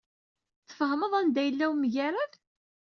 Tfehmed anda yella wemgerrad?